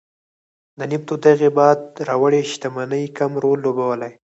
د نفتو دغې باد راوړې شتمنۍ کم رول لوبولی.